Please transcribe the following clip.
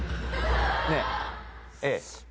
ねえ。